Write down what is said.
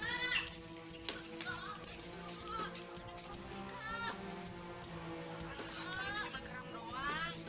yaudah kakak duluan ya